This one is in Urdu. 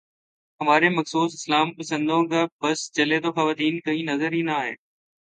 ہمارے مخصوص اسلام پسندوں کا بس چلے تو خواتین کہیں نظر ہی نہ آئیں۔